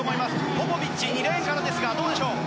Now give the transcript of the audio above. ポポビッチ、２レーンからですがどうでしょう？